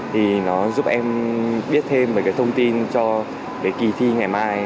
thì nó giúp em biết thêm mấy cái thông tin cho kỳ thi ngày mai